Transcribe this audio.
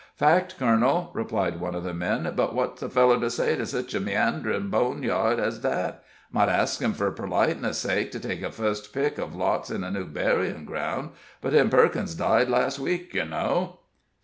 "Fact, colonel," replied one of the men; "but what's a feller to say to sich a meanderin' bone yard ez that? Might ask him, fur perliteness sake, to take fust pick uv lots in a new buryin' ground; but then Perkins died last week, yur know."